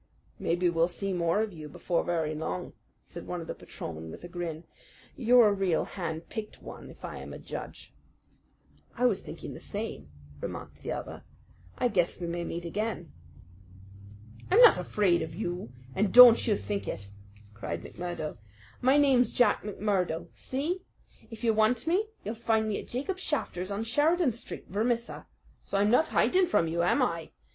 "Maybe we'll see more of you before very long," said one of the patrolmen with a grin. "You're a real hand picked one, if I am a judge." "I was thinking the same," remarked the other. "I guess we may meet again." "I'm not afraid of you, and don't you think it!" cried McMurdo. "My name's Jack McMurdo see? If you want me, you'll find me at Jacob Shafter's on Sheridan Street, Vermissa; so I'm not hiding from you, am I?